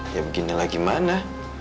ya beginilah gimana